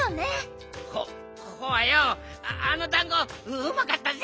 ホホワようあのだんごうまかったぜ。